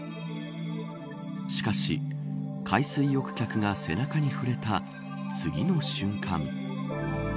しかし、海水浴客が背中に触れた次の瞬間。